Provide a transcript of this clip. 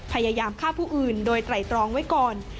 พยายามฆ่าผู้อื่นโดยไตรตรองไว้ก่อน